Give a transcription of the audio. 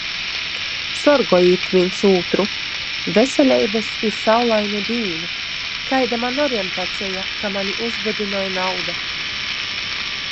Sorgojit vīns ūtra! Veseleibys i saulainu dīnu!!! Kaida maņ orientaceja, ka mani uzbudynoj nauda??...